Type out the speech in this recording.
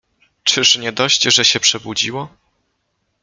Czyż nie dość, że się przebudziło?